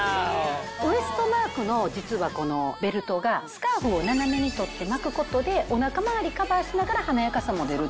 ウエストマークの実はこのベルトがスカーフを斜めにとって巻く事でお腹回りカバーしながら華やかさも出るっていう。